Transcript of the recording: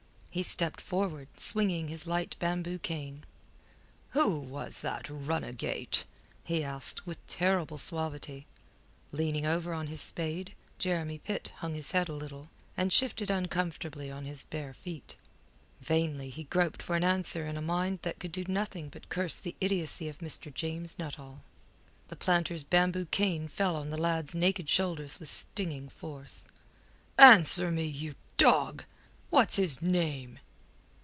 He stepped forward swinging his light bamboo cane. "Who was that runagate?" he asked with terrible suavity. Leaning over on his spade, Jeremy Pitt hung his head a little, and shifted uncomfortably on his bare feet. Vainly he groped for an answer in a mind that could do nothing but curse the idiocy of Mr. James Nuttall. The planter's bamboo cane fell on the lad's naked shoulders with stinging force. "Answer me, you dog! What's his name?"